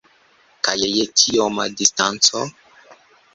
Kaj je tioma distanco!